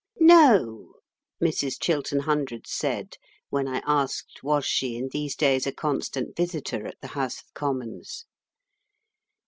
"No," Mrs. Chiltern Hundreds said when I asked, Was she in these days a constant visitor at the House of Commons?